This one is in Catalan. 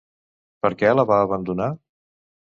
Per què la va abandonar?